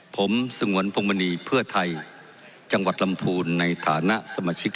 ผมสงวนปรุงบรรณีเพื่อไทยจังหวัดลำภูลในฐาณสมชิค